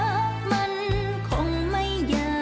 มันคงไม่อยากเกิน